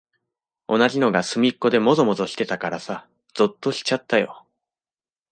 同じのがすみっこでもぞもぞしてたからさ、ぞっとしちゃったよ。